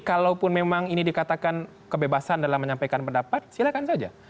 kalaupun memang ini dikatakan kebebasan dalam menyampaikan pendapat silahkan saja